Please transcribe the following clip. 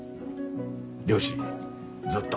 漁師ずっと。